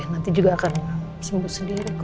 nanti juga akan sembuh sendiri